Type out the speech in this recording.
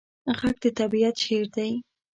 غږ د طبیعت شعر دی